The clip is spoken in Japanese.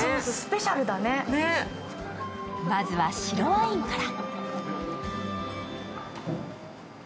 まずは白ワインから。